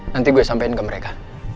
nanti gue sampaikan ke mereka